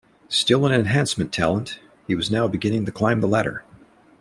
Still an enhancement talent, he was now beginning to climb the ladder.